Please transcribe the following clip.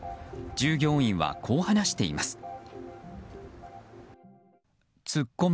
従業員は、こう話しています。